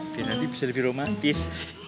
biar nanti bisa lebih romantis